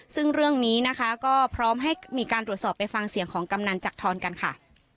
ซึ่งเรื่องนี้นะคะก็พร้อมให้มีการตรวจสอบไปฟังเสียงของกำนันจักทรกันค่ะ